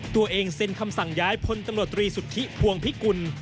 ตัวเองเซ็นคำสั่งย้ายพลตำรวจตรีสุทธิพวงพิกุล